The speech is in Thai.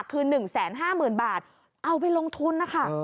คือ๑๕๐๐๐บาทเอาไปลงทุนนะคะ